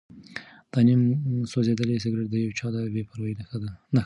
دا نیم سوځېدلی سګرټ د یو چا د بې پروایۍ نښه وه.